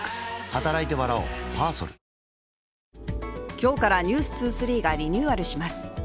今日から「ｎｅｗｓ２３」がリニューアルします。